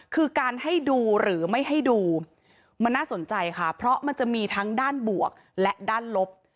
คือการให้ดูหรือไม่ให้ดูมันน่าสนใจค่ะเพราะมันจะมีทั้งด้านบวกและด้านลบ